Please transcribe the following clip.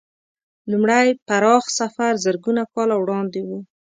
لومړی پراخ سفر زرګونه کاله وړاندې و.